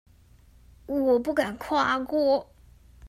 我不敢跨過